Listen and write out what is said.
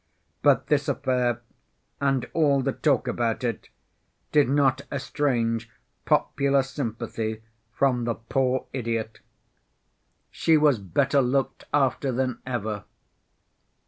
But this affair and all the talk about it did not estrange popular sympathy from the poor idiot. She was better looked after than ever.